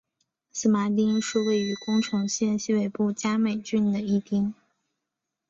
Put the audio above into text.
色麻町是位于宫城县西北部加美郡的一町。